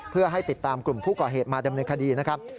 เพื่อให้ติดตามกลุ่มผู้ก่อเหตุมาดำเนินคดีนะครับ